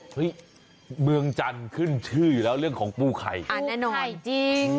เฮ้ยเมืองจันทร์ขึ้นชื่ออยู่แล้วเรื่องของปูไข่อ่าแน่นอนไข่จริง